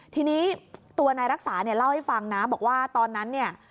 ทีนี้ตัวนายรักษาเนี่ยเล่าให้ฟังนะบอกว่าตอนนั้นเนี่ย